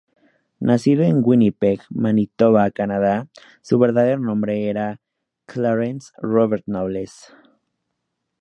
Nacido en Winnipeg, Manitoba, Canadá, su verdadero nombre era Clarence Robert Nobles.